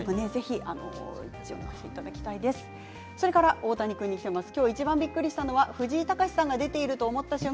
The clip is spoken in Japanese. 大谷君にきていますよ。